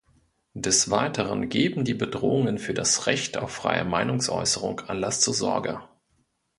Des Weiteren geben die Bedrohungen für das Recht auf freie Meinungsäußerung Anlass zur Sorge.